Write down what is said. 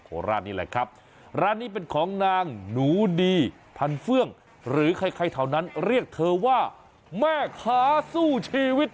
ราชนี่แหละครับร้านนี้เป็นของนางหนูดีพันเฟื่องหรือใครใครแถวนั้นเรียกเธอว่าแม่ค้าสู้ชีวิต